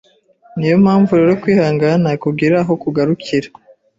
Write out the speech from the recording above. niyo mpamvu rero kwihangana kugira aho kugarukira